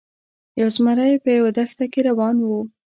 یو زمری په یوه دښته کې روان و.